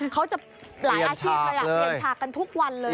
เขาจะเปลี่ยนชาติกันทุกวันเลย